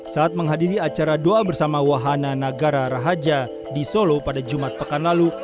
saat menghadiri acara doa bersama wahana nagara rahaja di solo pada jumat pekan lalu